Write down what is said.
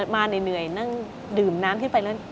มาเหนื่อยนั่งดื่มน้ำขึ้นไปแล้ว